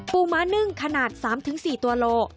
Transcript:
ปูมานึ่งขนาด๓๔ตัวโลกรัม